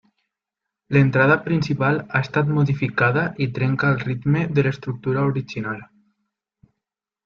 L'entrada principal ha estat modificada i trenca el ritme de l'estructura original.